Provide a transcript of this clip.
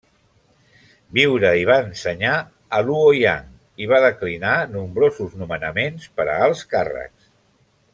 Viure i va ensenyar a Luoyang, i va declinar nombrosos nomenaments per a alts càrrecs.